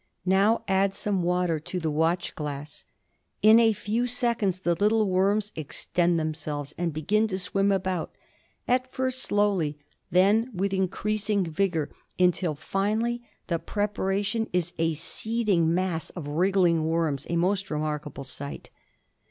Now add some water to the watch glass. In a few seconds the little worms extend themselves and begin to swim about, at first slowly, then with increasing vigour, until finally the preparation is a seething mass of wriggling worms — a most remarkable sight.